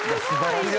すごい！